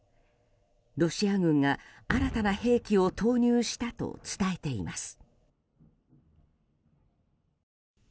ロシア軍が新たな兵器を投入したと伝えています。